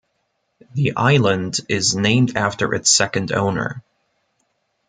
The island is named after its second owner.